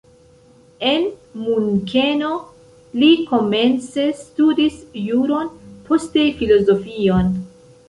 En Munkeno li komence studis juron, poste filozofion.